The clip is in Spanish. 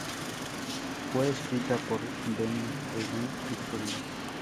Fue escrita por Benny, Björn y Frida.